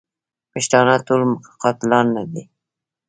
پښتانه ټول قاتلان نه دي.